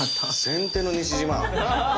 先手の西島。